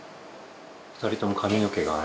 ２人とも髪の毛が。